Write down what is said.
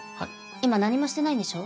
今何もしてないんでしょ？